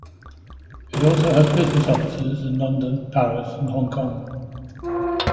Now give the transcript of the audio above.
It also has business offices in London, Paris and Hong Kong.